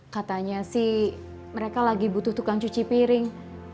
katanya sih mereka lagi butuh tukang cuci piring